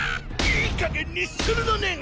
いいかげんにするのねん！